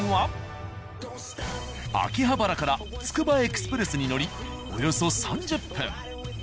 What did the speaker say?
秋葉原からつくばエクスプレスに乗りおよそ３０分。